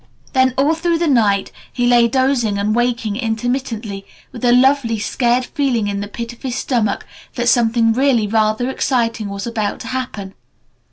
Then all through the night he lay dozing and waking intermittently, with a lovely, scared feeling in the pit of his stomach that something really rather exciting was about to happen.